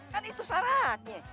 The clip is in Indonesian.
kan itu syaratnya